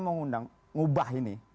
mau ngundang ngubah ini